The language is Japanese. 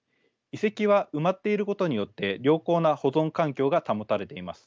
遺跡は埋まっていることによって良好な保存環境が保たれています。